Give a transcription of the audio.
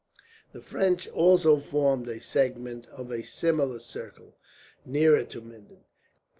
The French also formed a segment of a similar circle, nearer to Minden.